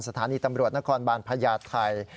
สถานีตำรวจนครบาลพญาไทย